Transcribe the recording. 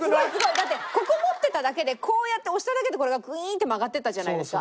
だってここ持ってただけでこうやって押しただけでこれがグイーンって曲がっていったじゃないですか。